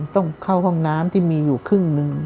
ต้องเข้าห้องน้ำที่มีอยู่ครึ่งหนึ่ง